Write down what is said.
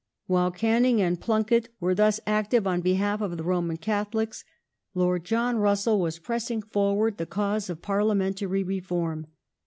While Canning and Plunket were thus active on behalf of X the Roman Catholics, Lord John Russell was pressing forward the nC, cause of Parliamentary Reform.